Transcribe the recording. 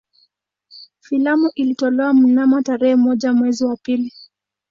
Filamu ilitolewa mnamo tarehe moja mwezi wa pili